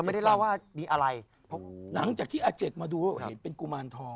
ยังไม่ได้เล่าว่ามีอะไรหลังจากที่อาเจกมาดูเป็นกุมารทอง